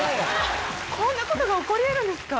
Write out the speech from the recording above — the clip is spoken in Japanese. こんなことが起こり得るんですか